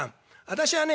私はね